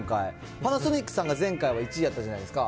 パナソニックさんが前回は１位やったじゃないですか。